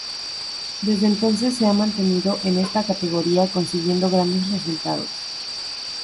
Desde entonces se ha mantenido en esta categoría consiguiendo grandes resultados.